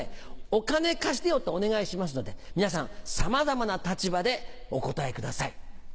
「お金貸してよ」とお願いしますので皆さんさまざまな立場でお答えください。